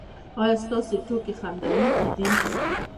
ایا ستاسو ټوکې خندونکې دي؟